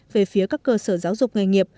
về phía các cơ sở giáo dục nghề nghiệp